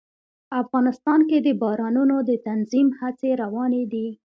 افغانستان کې د بارانونو د تنظیم هڅې روانې دي.